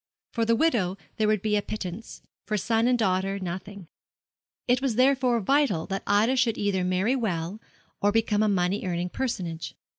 For the widow there would be a pittance, for son and daughter nothing. It was therefore vital that Ida should either marry well or become a money earning personage.